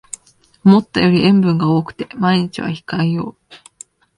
思ったより塩分が多くて毎日は控えよう